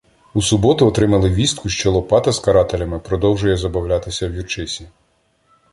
У суботу отримали вістку, що Лопата з карателями продовжує забавлятися в Юрчисі.